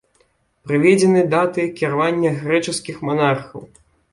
Прыведзены даты кіравання грэчаскіх манархаў.